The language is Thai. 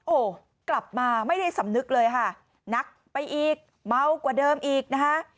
โอ้โหกลับมาไม่ได้สำนึกเลยค่ะนักไปอีกเมากว่าเดิมอีกนะคะ